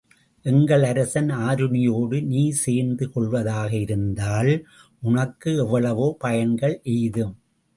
எங்கள் அரசன் ஆருணியோடு நீ சேர்ந்து கொள்வதாக இருந்தால், உனக்கு எவ்வளவோ பயன்கள் எய்தும்!